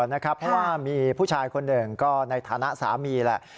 เพราะว่ามีผู้ชายคนหนึ่งก็ในฐานะสามีแหละ